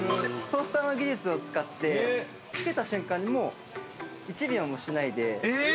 トースターの技術を使ってつけた瞬間にもう１秒もしないであったかくなる。